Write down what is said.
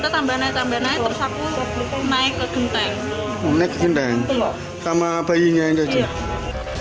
sebelah yang lebih tinggi ternyata tambah nanya tambah nanya terus aku naik ke genteng